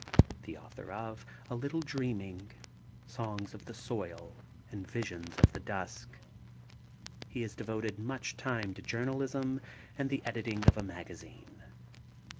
The author of A Little Dreaming, Songs of the Soil and Visions of the Dusk. He has devoted much time to journalism and the editing of a magazine.